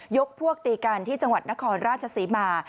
พวกตีกันที่จังหวัดนครราชศรีมา